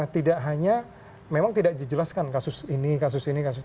tidak hanya memang tidak dijelaskan kasus ini kasus ini kasus ini